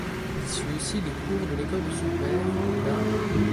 Il suit aussi les cours de l'école de son père, la '.